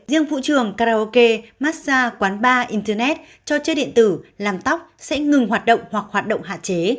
riêng vũ trường karaoke massage quán bar internet cho chơi điện tử làm tóc sẽ ngừng hoạt động hoặc hoạt động hạ chế